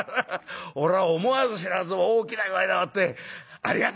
俺は思わず知らずも大きな声でもって『ありがてえ！』」。